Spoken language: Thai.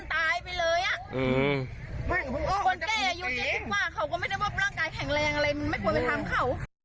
คนแก่อายุเจ็ดกว่าเขาก็ไม่ได้บอกร่างกายแข็งแรงอะไรไม่ควรไปทำเขา